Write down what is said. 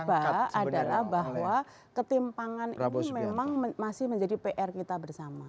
yang kedua adalah bahwa ketimpangan ini memang masih menjadi pr kita bersama